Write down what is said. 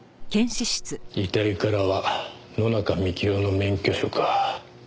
遺体からは野中樹生の免許証か。